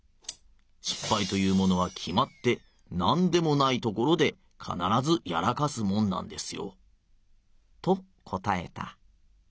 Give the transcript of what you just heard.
しっぱいというものはきまってなんでもない所で必ずやらかすもんなんですよ』と答えた。